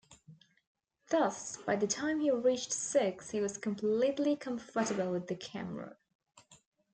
Thus, by the time he reached six, he was completely comfortable with the camera.